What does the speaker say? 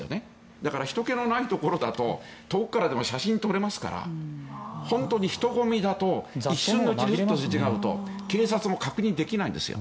だから、ひとけのないところだと遠くからでも写真撮れますから本当に人混みだと一瞬のうちにすれ違うと警察も確認できないんですよ。